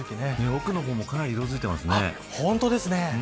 奥の方もかなり色づいてますね。